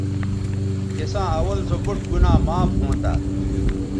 تِساں اول سو بُوٹ گنا معاف ھونتہ